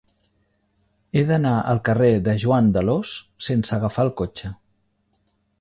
He d'anar al carrer de Joan d'Alòs sense agafar el cotxe.